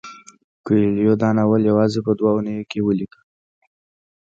کویلیو دا ناول یوازې په دوه اونیو کې ولیکه.